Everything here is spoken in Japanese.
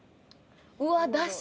うわっ！だし。